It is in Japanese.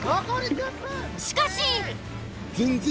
しかし。